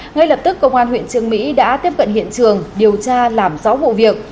ngay lập tức công an huyện trương mỹ đã tiếp cận hiện trường điều tra làm rõ vụ việc